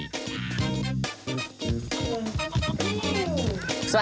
สวัสดีค่ะ